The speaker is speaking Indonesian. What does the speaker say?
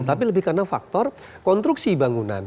tapi lebih karena faktor konstruksi bangunan